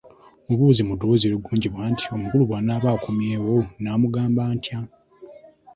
Mubuuze mu ddoboozi eryeggonjebwa nti, "Omukulu bwanaaba akomyewo nnaamugamba ntya?